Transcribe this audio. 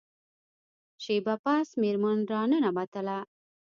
شیبه پس میرمن را ننوتله.